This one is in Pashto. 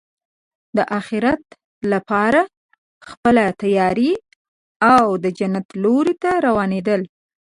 د اخرت لپاره خپله تیاری او د جنت لور ته روانېدل.